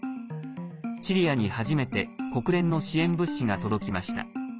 シリアに初めて国連の支援物資が届きました。